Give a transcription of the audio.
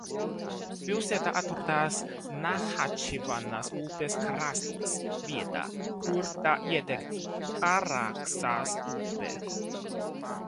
Pilsēta atrodas Nahčivanas upes krastos, vietā, kur tā ietek Araksas upē.